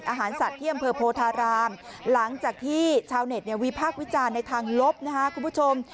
สัตว์เที่ยมเพอโพธารามหลังจากที่ชาวเน็ตวิพักวิจารณ์ในทางลบนะคะคุณผู้ชม